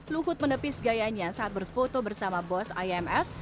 luhut menepis gayanya saat berfoto bersama bos imf